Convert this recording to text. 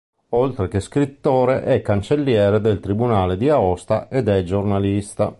Oltre che scrittore è cancelliere del Tribunale di Aosta ed è giornalista.